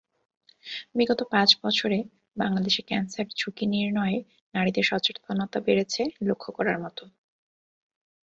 বিগত পাঁচ বছরে বাংলাদেশে ক্যানসার-ঝুঁকি নির্ণয়ে নারীদের সচেতনতা বেড়েছে লক্ষ করার মতো।